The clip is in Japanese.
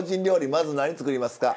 まず何作りますか？